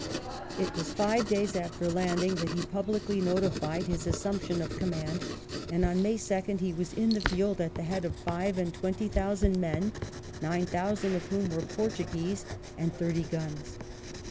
It was five days after landing that he publicly notified his assumption of command, and on May 2nd he was in the field at the head of five and twenty thousand men, nine thousand of whom were Portuguese, and thirty guns.